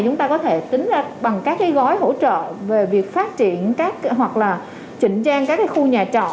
chúng ta có thể tính ra bằng các gói hỗ trợ về việc phát triển hoặc là chỉnh trang các khu nhà trọ